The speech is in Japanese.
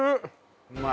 うまい！